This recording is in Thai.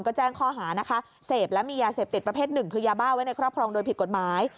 ก็แจ้งข้อหานะคะเสพและมียาเสพติดประเภทหนึ่งคือยาบ้าไว้ในครอบครองโดยผิดกฎหมาย